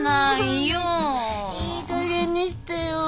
いいかげんにしてよ。